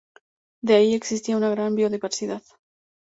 De ahí que exista una gran biodiversidad.